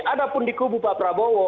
ada pun di kubu pak prabowo